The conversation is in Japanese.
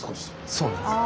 そうなんですね。